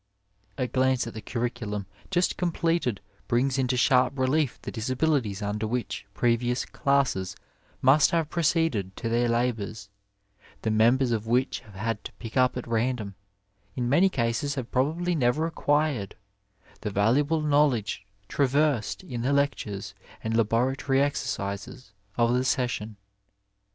A glance at the curriculum just completed brings into sharp relief the disabilities imder which previous classes must have proceeded to their labours, the members of which have had to pick up at random — in many cases have probably never acquired — ^the valuable know ledge traversed in the lectures and laboratory exercises of the session.